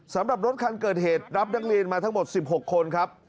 สำหรับรถคันเกิดเหตุรับนักเรียนมาทั้งหมด๑๖คนครับ